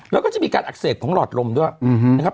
แล้วก็จะมีการอักเสบของหลอดลมด้วยนะครับ